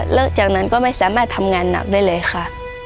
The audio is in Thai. แล้วจากนั้นก็ไม่สามารถทำงานหนักได้เลยค่ะ